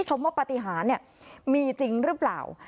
ชมว่าปฏิหารมีจริงหรือเปล่า